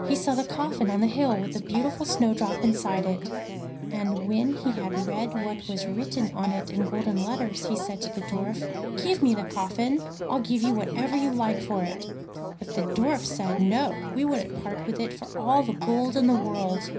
He saw the coffin on the hill, with the beautiful Snowdrop inside it, and when he had read what was written on it in golden letters, he said to the Dwarf: 'Give me the coffin. I'll give you whatever you like for it.' But the Dwarf said: 'No; we wouldn't part with it for all the gold in the world.